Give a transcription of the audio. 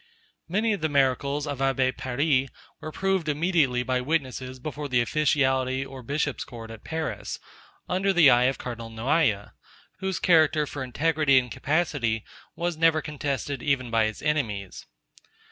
Many of the miracles of Abbé Paris were proved immediately by witnesses before the officiality or bishop's court at Paris, under the eye of cardinal Noailles, whose character for integrity and capacity was never contested even by his enemies.